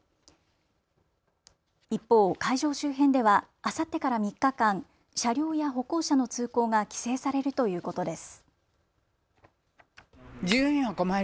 一方、会場周辺ではあさってから３日間、車両や歩行者の通行が規制されるということです。